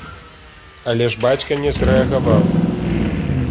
Але ж бацька не зрэагаваў.